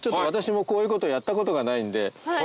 私もこういうことやったことがないんで。